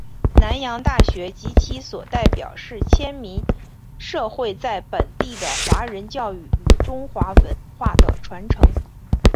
南洋大学及其所代表是迁民社会在本地的华文教育与中华文化的传承。